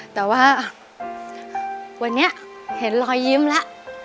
แต่ว่าวันนี้เห็นรอยยิ้มแล้ว